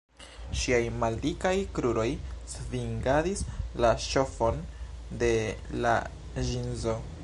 Ŝiaj maldikaj kruroj svingadis la ŝtofon de la ĵinzo.